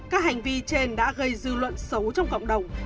các hành vi trên đã gây dư luận xấu trong cộng đồng